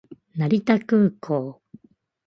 成田空港